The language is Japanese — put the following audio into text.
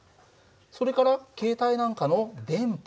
それから携帯なんかの電波。